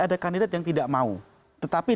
ada kandidat yang tidak mau tetapi